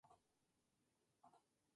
Nacido en París, vivió toda su vida ahí.